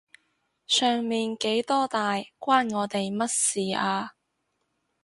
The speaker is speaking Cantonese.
上面幾多大關我哋乜事啊？